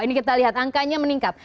ini kita lihat angkanya meningkat